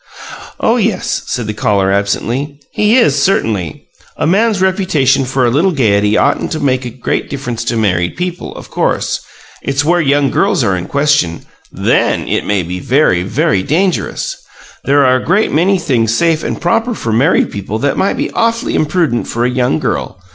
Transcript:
"Oh yes," said the caller, absently. "He is, certainly. A man's reputation for a little gaiety oughtn't to make a great difference to married people, of course. It's where young girls are in question. THEN it may be very, very dangerous. There are a great many things safe and proper for married people that might be awf'ly imprudent for a young girl.